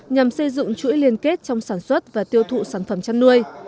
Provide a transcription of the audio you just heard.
nhằm xây dựng chuỗi liên kết trong sản xuất và tiêu thụ sản phẩm chăn nuôi